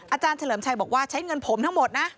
อาจารย์เฉลิมชัยบอกว่าใช้เงินผมทั้งหมดนะ